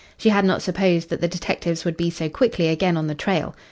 She had not supposed that the detectives would be so quickly again on the trail.